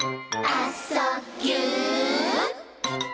「あ・そ・ぎゅ」